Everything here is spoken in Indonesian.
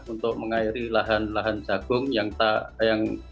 untuk mengairi lahan lahan jagung yang